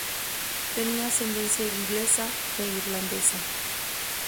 Tenía ascendencia inglesa e irlandesa.